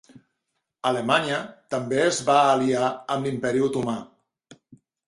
Alemanya també es va aliar amb l'Imperi Otomà.